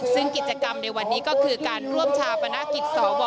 ซึ่งกิจกรรมในวันนี้ก็คือการร่วมชาปนกิจสว